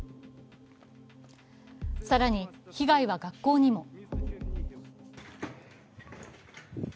更に被害は学校にも。